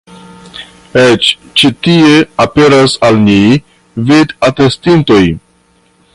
Eĉ ĉi tie aperas al ni vid-atestintoj.